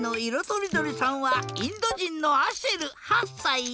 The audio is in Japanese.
とりどりさんはインドじんのアシェル８さい。